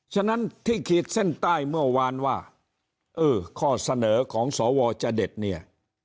ฉะนั้นที่ขีดเส้นใต้เมื่อวานว่าเออข้อเสนอของสวจเด็ดเนี่ย